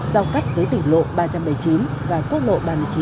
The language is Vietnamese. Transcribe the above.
giao cắt với tỉnh lộ ba trăm bảy mươi chín và quốc lộ ba mươi chín